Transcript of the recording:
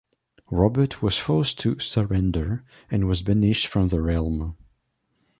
Robert was forced to surrender and was banished from the realm.